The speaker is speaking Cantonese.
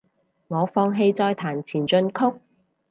我放棄再彈前進曲